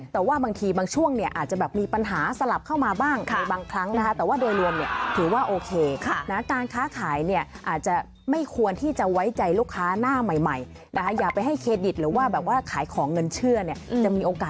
แต่ว่าบางที่บางช่วงเนี้ยอาจจะก็มีปัญหาสลับเข้ามาบ้างบางครั้งนะคะ